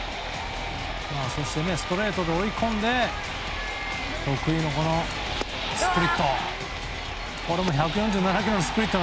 そしてストレートで追い込んで得意のスプリット。